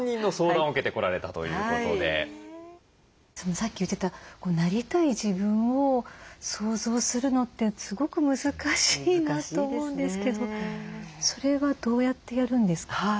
さっき言ってたなりたい自分を想像するのってすごく難しいなと思うんですけどそれはどうやってやるんですか？